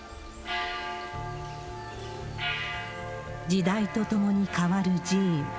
時代とともに変わる寺院。